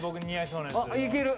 いける。